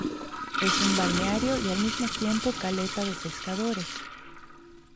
Es un balneario y al mismo tiempo caleta de pescadores.